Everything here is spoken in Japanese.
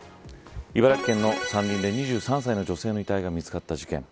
茨城県の山林で２３歳の女性の遺体が見つかった事件。